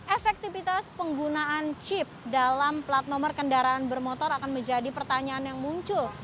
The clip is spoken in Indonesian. efektivitas penggunaan chip dalam plat nomor kendaraan bermotor akan menjadi pertanyaan yang muncul